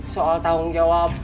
soal tanggung jawab